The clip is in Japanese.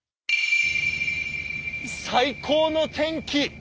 最高の天気！